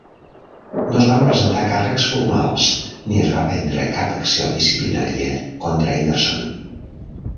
No es van presentar càrrecs formals ni es va prendre cap acció disciplinaria contra Emerson.